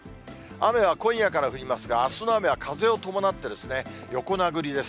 雨は今夜から降りますがあすの雨は風を伴って横殴りです。